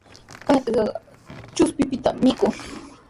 Patrkaqa chushpitami mikun.